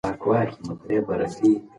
ماشوم خپل لاسونه پلار ته وښودل.